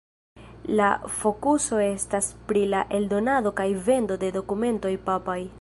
La fokuso estas pri la eldonado kaj vendo de dokumentoj papaj.